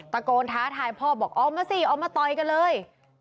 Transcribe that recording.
ตะโกนท้าทายพ่อบอกออกมาสิออกมาต่อยกันเลย